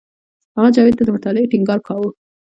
هغه جاوید ته د مطالعې ټینګار کاوه